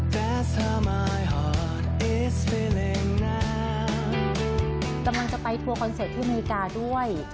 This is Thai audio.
กำลังจะไปทัวร์คอนเสิร์ตที่อเมริกาด้วย